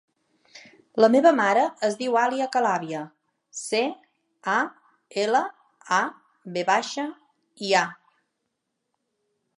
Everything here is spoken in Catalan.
La meva mare es diu Alia Calavia: ce, a, ela, a, ve baixa, i, a.